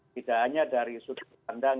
tidak hanya dari sudut pandang